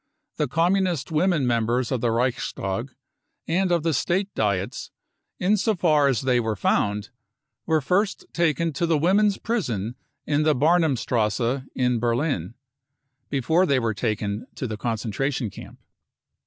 The Communist women members of the Reich stag and of the State Diets, in so far as they were found, were first taken to the women's prison in the Barnimstrasse in Berlin, before they were taken to the concentration camp.